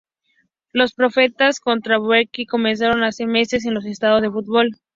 Las protestas contra Buteflika comenzaron hace meses en los estadios de fútbol.